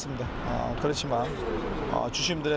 oh itu terakhir pertandingan ini